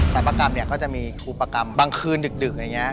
ประกรรมเนี่ยก็จะมีครูประกรรมบางคืนดึกอย่างนี้